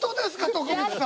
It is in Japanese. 徳光さん。